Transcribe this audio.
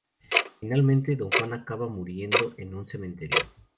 Finalmente, Don Juan acaba muriendo en un cementerio.